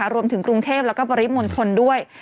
รวมถึงกรุงเทพแล้วก็ปริมณฑลด้วย